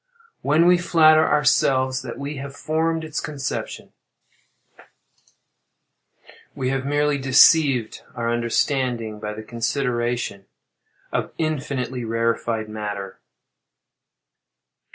When we flatter ourselves that we have formed its conception, we have merely deceived our understanding by the consideration of infinitely rarified matter.